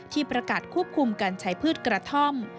ประกาศควบคุมการใช้พืชกระท่อม